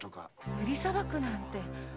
売りさばくなんて。